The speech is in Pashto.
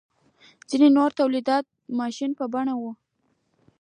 ځینې نور د تولیدي ماشین په بڼه وي.